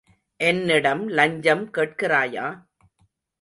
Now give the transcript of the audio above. என்னிடம் லஞ்சம் கேட்கின்றாயா?